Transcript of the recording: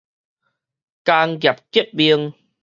工業革命